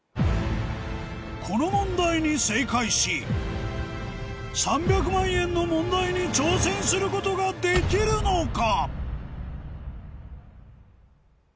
この問題に正解し３００万円の問題に挑戦することができるのか？